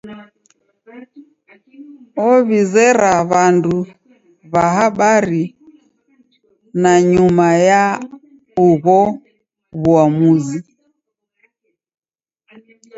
Ow'izera w'andu w'a habari nanyuma ya ugho w'uamuzi.